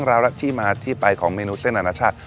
ไปค้นหาเรื่องราวที่มาที่ไปของเมนูเส้นอาณาชาติ